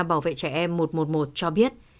bảo vệ trẻ em một trăm một mươi một cho biết